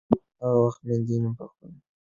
هغه وخت میندې په خپلو ماشومانو بوختې وې.